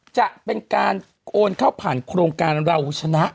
จะเป็นการโอนเข้าผ่านโครงการเราชนะ